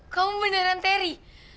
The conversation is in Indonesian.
kamu beneran teri